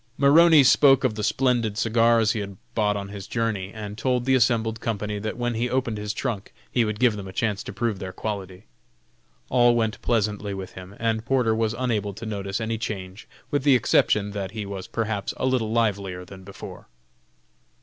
Maroney spoke of the splendid cigars he had bought on his journey, and told the assembled company that when he opened his trunk he would give them a chance to prove their quality. All went pleasantly with him, and Porter was unable to notice any change, with the exception that he was perhaps a little livelier than before.